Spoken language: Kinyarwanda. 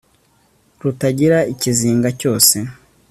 rutagira ikizingacyose